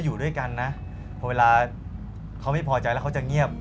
อยู่ด้วยกันนะพอเวลาเขาไม่พอใจแล้วเขาจะเงียบ